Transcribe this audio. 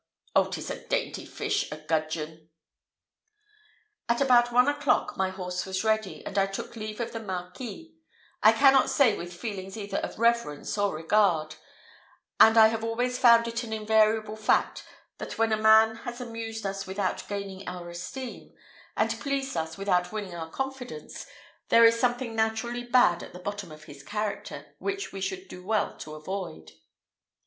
Oh, 'tis a dainty fish a gudgeon!" At about one o'clock my horse was ready, and I took leave of the Marquis I cannot say with feelings either of reverence or regard; and I have always found it an invariable fact, that when a man has amused us without gaining our esteem, and pleased without winning our confidence, there is something naturally bad at the bottom of his character, which we should do well to avoid.